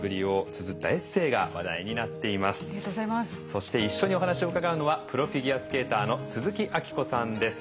そして一緒にお話を伺うのはプロフィギュアスケーターの鈴木明子さんです。